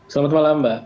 selamat malam mbak